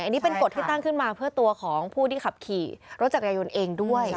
อันนี้เป็นกฎที่ตั้งขึ้นมาเพื่อตัวของผู้ที่ขับขี่รถจักรยายนเองด้วย